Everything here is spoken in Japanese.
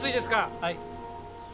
はい？